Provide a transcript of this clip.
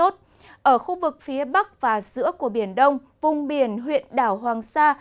ở khu vực phía bắc và giữa của biển đông vùng biển huyện đảo hoàng sa